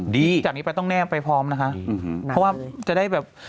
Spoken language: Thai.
จากนี้ไปต้องแนบไปพร้อมนะคะเพราะว่าจะได้แบบ